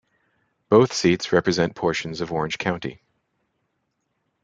Both seats represent portions of Orange County.